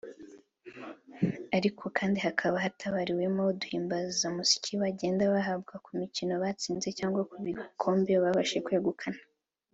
ariko kandi hakaba hatabariwemo uduhimbasamusyi bagenda bahabwa ku mikino batsinze cyangwa ku bikombe babashije kwegukana